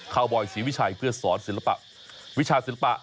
วบอยศรีวิชัยเพื่อสอนศิลปะวิชาศิลปะ